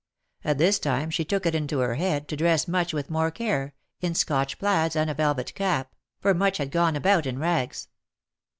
At this time she took it into her head to dress Much with more care, in Scotch plaids, and a velvet cap, for Much had gone about in rags.